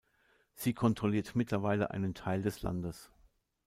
Sie kontrolliert mittlerweile einen Teil des Landes.